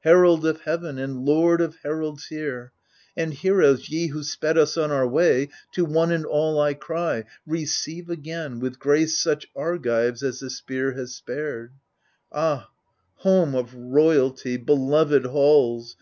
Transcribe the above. Herald of heaven, and lord of heralds here ! And Heroes, ye who sped us on our way — To one and all I cry, Receive again With grace such Argives as the spear has spared* Ah, home of royalty, beloved halls.